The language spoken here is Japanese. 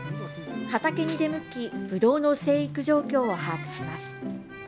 畑に出向きぶどうの生育状況を把握します。